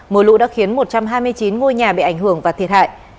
mưa lũ đã khiến một trăm hai mươi chín ngôi nhà bị ảnh hưởng và thiệt hại